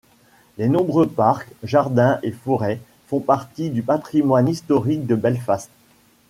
Les nombreux parcs, jardins et forêts font partie du patrimoine historique de Belfast.